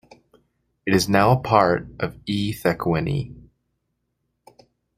It is now part of eThekwini.